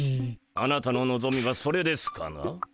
あなたののぞみはそれですかな？